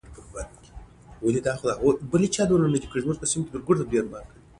پس که وغواړو چی د سیاست په اړه څه نا څه بشپړ تعریف وکړو